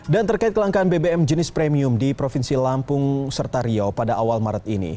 dan terkait kelangkaan bbm jenis premium di provinsi lampung serta riau pada awal maret ini